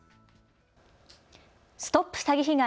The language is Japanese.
ＳＴＯＰ詐欺被害！